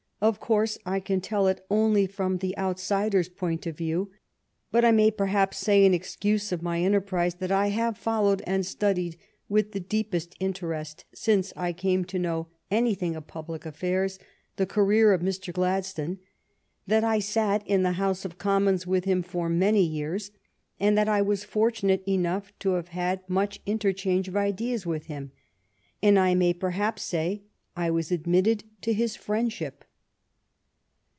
Of course I can tell it only from the outsider s point of view ; but I may perhaps say in excuse of my enterprise that I have followed and studied with the deepest interest, since I came to know anything of public affairs, the career of Mr. Gladstone — that I sat in the House of Commons with him for many years, and that I was fortunate enough to have much interchange of ideas with him — and I may perhaps say I was admitted to his friendship.